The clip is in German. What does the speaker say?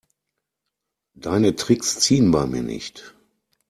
Deine Tricks ziehen bei mir nicht.